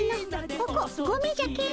ここゴミじゃケン。